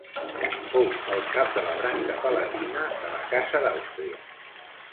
Fou el cap de la branca palatina de la Casa d'Àustria.